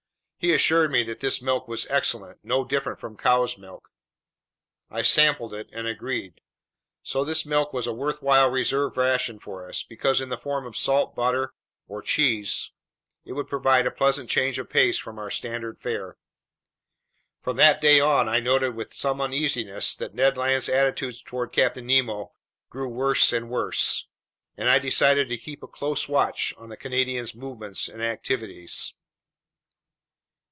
He assured me that this milk was excellent, no different from cow's milk. I sampled it and agreed. So this milk was a worthwhile reserve ration for us, because in the form of salt butter or cheese, it would provide a pleasant change of pace from our standard fare. From that day on, I noted with some uneasiness that Ned Land's attitudes toward Captain Nemo grew worse and worse, and I decided to keep a close watch on the Canadian's movements and activities.